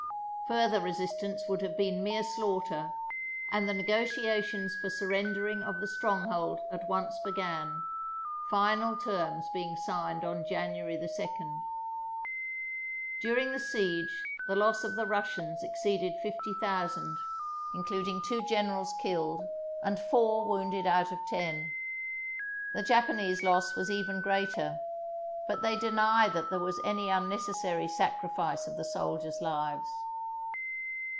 Further resistance would have been mere slaughter, and the negotiations for surrendering of the stronghold at once began, final terms being signed on January 2d. During the siege the loss of the Russians exceeded fifty THE BOOK OF FAMOUS SIEGES thousand, including two generals killed and four wounded out of ten. The Japanese loss was even greater, but they deny that there was any unneces sary sacrifice of the soldiers' lives.